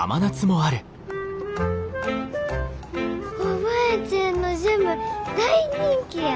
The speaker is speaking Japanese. おばあちゃんのジャム大人気や。